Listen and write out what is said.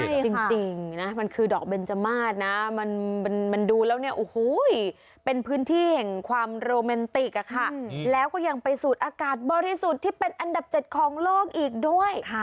ยืนจริงน่ะมันคือดอกเบนเจ้ามาสนะมันเรียนมันดูแล้วนี่ออ้อยเป็นพื้นที่เองความโรเมนติกะค่ะแล้วก็อย่างไปสูตรอากาศบริสุทธิเป็นอันดับ๗ของโลกอีกด้วย